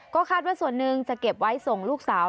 ก็คาดว่าส่วนหนึ่งจะเก็บไว้ส่งลูกสาว